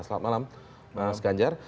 selamat malam mas ganjar